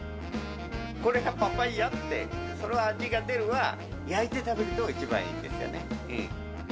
これがパパイヤっていう味が出るのは、焼いて食べると一番いいんですよね。